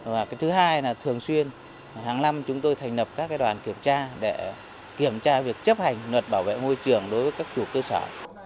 và thứ hai là thường xuyên hàng năm chúng tôi thành lập các đoàn kiểm tra để kiểm tra việc chấp hành luật bảo vệ môi trường đối với các chủ cơ sở